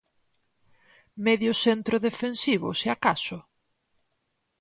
Medio centro defensivo, se acaso?